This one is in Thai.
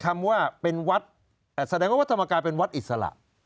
คำว่าเป็นวัดแสดงว่าวัดธรรมกายเป็นวัดอิสระ